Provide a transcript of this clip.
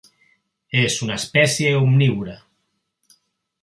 És una espècie omnívora.